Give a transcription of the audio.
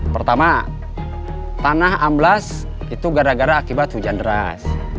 pertama tanah amblas itu gara gara akibat hujan deras